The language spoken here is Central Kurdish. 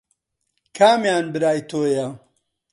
کامیان برای تۆیە؟